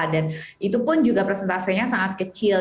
dan itu pun juga presentasenya sangat kecil